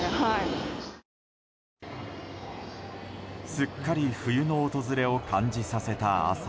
すっかり冬の訪れを感じさせた朝。